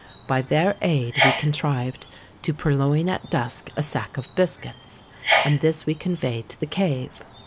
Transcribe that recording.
By their aid we contrived to purloin at dusk a sack of biscuits; and this we conveyed to the cave.